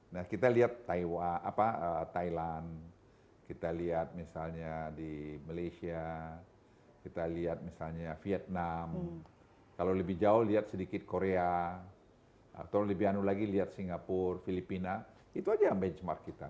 nah kita lihat thailand kita lihat misalnya di malaysia kita lihat misalnya vietnam kalau lebih jauh lihat sedikit korea atau lebih anu lagi lihat singapura filipina itu aja benchmark kita